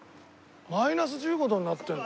マイナス１５度になってるの？